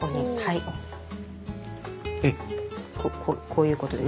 こういうことですか？